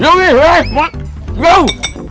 ยกนี่เฮ้ยเร็ว